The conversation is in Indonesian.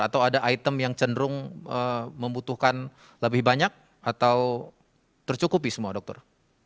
atau ada item yang cenderung membutuhkan lebih banyak atau tercukupi semua dokter